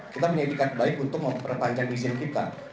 kita punya ikat baik untuk memperpanjang misil kita